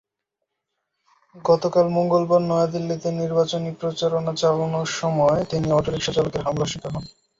গতকাল মঙ্গলবার নয়াদিল্লিতে নির্বাচনী প্রচারণা চালানোর সময় তিনি অটোরিকশাচালকের হামলার শিকার হন।